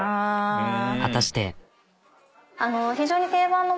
果たして。